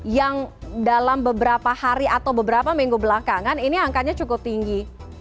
yang dalam beberapa hari atau beberapa minggu belakangan ini angkanya cukup tinggi